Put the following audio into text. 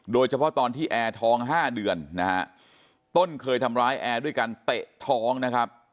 โดยเฉพาะตอนที่แอร์ท้อง๕เดือนนะฮะต้นเคยทำร้ายแอร์ด้วยการเตะท้องนะครับ